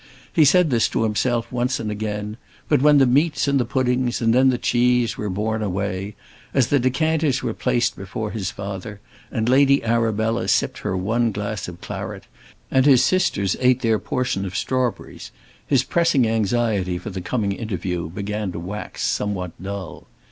He said this to himself once and again; but when the meats and the puddings, and then the cheese, were borne away, as the decanters were placed before his father, and Lady Arabella sipped her one glass of claret, and his sisters ate their portion of strawberries, his pressing anxiety for the coming interview began to wax somewhat dull.